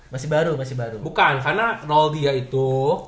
masih baru masih baru